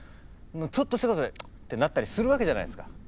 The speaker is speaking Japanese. ちょっとしたことでチッてなったりするわけじゃないですか。